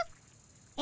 え？